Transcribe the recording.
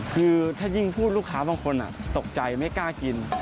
คือถ้ายิ่งพูดลูกค้าบางคนตกใจไม่กล้ากิน